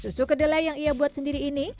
susu kedelai yang ia buat sendiri ini